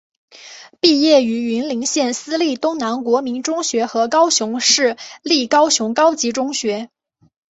毕业于云林县私立东南国民中学和高雄市立高雄高级中学。